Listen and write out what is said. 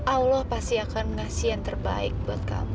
allah pasti akan mengasih yang terbaik buat kamu